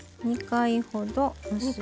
２回ほど。